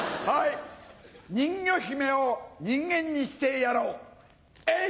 人魚姫を人間にしてやろうえい！